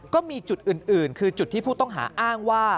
ก็มีจุดอื่นคือจุดที่ผู้ต้องหาอ้างว่า